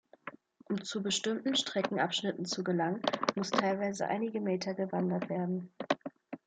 Um zu bestimmten Streckenabschnitten zu gelangen, muss teilweise einige Meter gewandert werden.